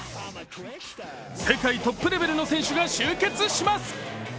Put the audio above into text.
世界トップレベルの選手が集結します。